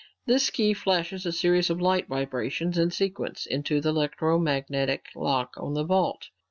This key flashes a series of light vibrations, in sequence, into the electromagnetic lock on the vault.